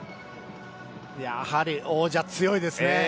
やはり王者、強いですね。